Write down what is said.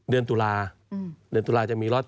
เดือนตุลาเดือนตุลาจะมี๑๗